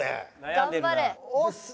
頑張れ！